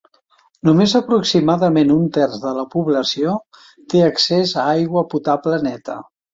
Només aproximadament un terç de la població té accés a aigua potable neta.